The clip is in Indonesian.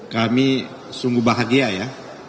kami sungguh bahagia ya